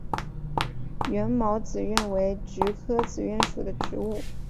缘毛紫菀为菊科紫菀属的植物。